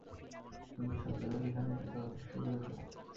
কিন্তু, সাজ্জাদ আলী খান এটাকে অদৃশ্য করে ফেলবে।